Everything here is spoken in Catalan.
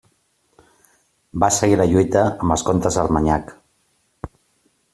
Va seguir la lluita amb els comtes d'Armanyac.